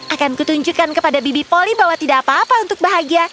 akan kutunjukkan kepada bibi polly bahwa tidak apa apa untuk bahagia